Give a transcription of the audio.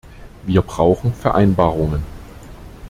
Wir brauchen Vereinbarungen.